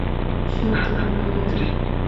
সত্যটা বলা যাক।